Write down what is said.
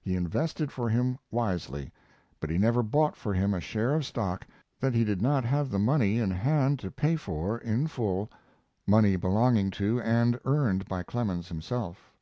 He invested for him wisely, but he never bought for him a share of stock that he did not have the money in hand to pay for in full money belonging to and earned by Clemens himself.